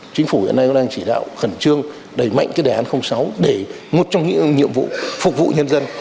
chính phủ hiện nay cũng đang chỉ đạo khẩn trương đẩy mạnh cái đề án sáu để một trong những nhiệm vụ phục vụ nhân dân